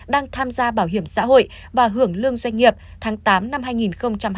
đang tham gia bảo hiểm xã hội và hưởng lương doanh nghiệp tháng tám năm hai nghìn hai mươi